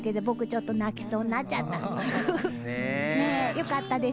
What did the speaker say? よかったでしょ。